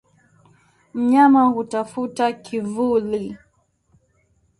Mnyama hutafuta kivuli